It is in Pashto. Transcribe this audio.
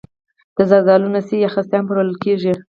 د زردالو نڅي یا خسته هم پلورل کیږي.